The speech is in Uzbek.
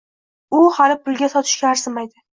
U hali pulga sotishga arzimaydi.